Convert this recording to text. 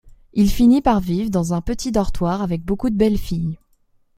Il finit par vivre dans un petit dortoir avec beaucoup de belles filles.